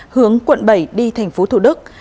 hướng quận bảy đi thành phố thủ đức